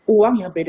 uang yang berbeda